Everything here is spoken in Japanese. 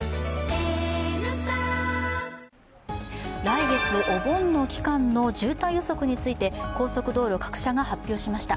来月、お盆の期間の渋滞予測について高速道路各社が発表しました。